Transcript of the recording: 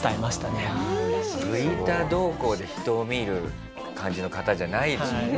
フリーターどうこうで人を見る感じの方じゃないですもんね